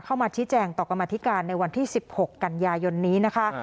เข้ามาชี้แจงต่อกรรมธิการในวันที่๑๖กันยายนนี้นะคะ